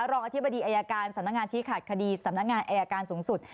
รองอธิบดีอายการสำนักงานชี้ขาดคดีสำนักงานอายการสูงสุด